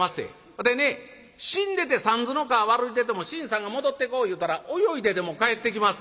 わたいね死んでてさんずの川歩いてても信さんが戻ってこいいうたら泳いででも帰ってきまっせ」。